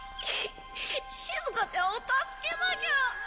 しずかちゃんを助けなきゃ！